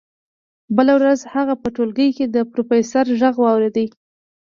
بله ورځ هغه په ټولګي کې د پروفیسور غږ واورېد